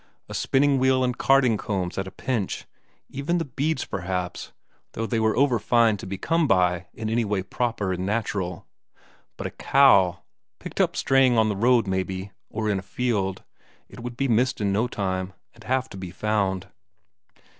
A spinning wheel and carding combs at a pinch; even the beads perhaps, though they were over fine to be come by in any way proper and natural. But a cow, picked up straying on the road, maybe, or in a field it would be missed in no time, and have to be found.